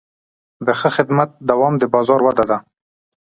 د ښه خدمت دوام د بازار وده ده.